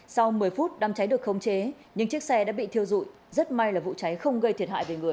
sau một mươi phút đâm cháy được khống chế nhưng chiếc xe đã bị thiêu dụi rất may là vụ cháy không gây thiệt hại về người